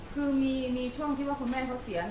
คือมีช่วงที่ว่าคุณแม่เขาเสีย